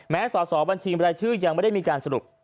สอสอบัญชีบรายชื่อยังไม่ได้มีการสรุป